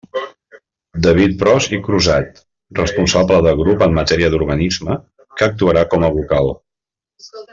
David Pros i Crusat, responsable de grup en matèria d'urbanisme, que actuarà com a vocal.